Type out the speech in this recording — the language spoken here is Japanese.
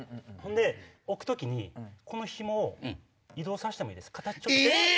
で置く時にこの紐を移動させてもいいです。